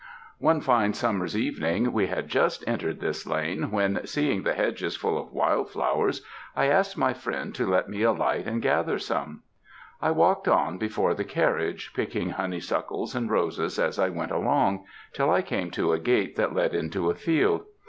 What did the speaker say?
"One fine summer's evening we had just entered this lane, when seeing the hedges full of wild flowers, I asked my friend to let me alight and gather some; I walked on before the carriage picking honeysuckles and roses as I went along, till I came to a gate that led into a field.